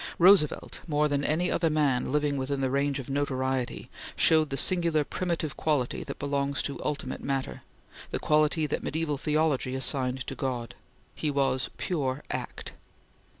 Roosevelt, more than any other man living within the range of notoriety, showed the singular primitive quality that belongs to ultimate matter the quality that mediaeval theology assigned to God he was pure act.